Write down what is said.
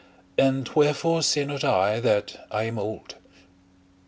And wherefore say not I that I am old?